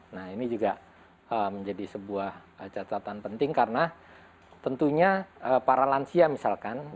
nah ini juga menjadi sebuah catatan penting karena tentunya para lansia misalkan